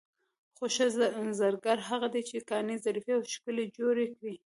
خو ښه زرګر هغه دی چې ګاڼې ظریفې او ښکلې جوړې کړي.